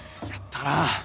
やったな。